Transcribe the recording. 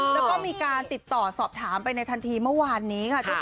แล้วก็มีการติดต่อสอบถามไปในทันทีเมื่อวานนี้ค่ะ